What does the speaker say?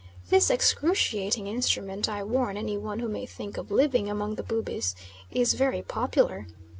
This excruciating instrument, I warn any one who may think of living among the Bubis, is very popular.